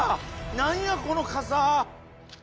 何やこの傘！